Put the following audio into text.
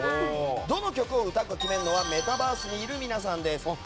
どの曲を歌うか決めるのはメタバースにいる皆さんです。